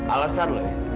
alasan lu ya